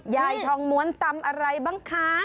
ยายทองม้วนตำอะไรบ้างคะ